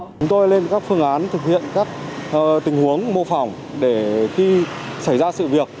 chúng tôi lên các phương án thực hiện các tình huống mô phỏng để khi xảy ra sự việc